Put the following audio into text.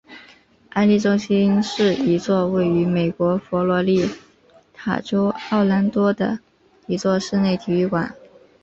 安丽中心是一座位于美国佛罗里达州奥兰多的一座室内体育馆。